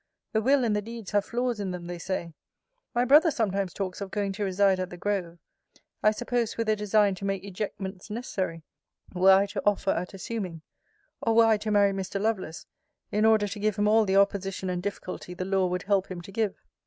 The will and the deeds have flaws in them, they say. My brother sometimes talks of going to reside at The Grove: I suppose, with a design to make ejectments necessary, were I to offer at assuming; or, were I to marry Mr. Lovelace, in order to give him all the opposition and difficulty the law would help him to give.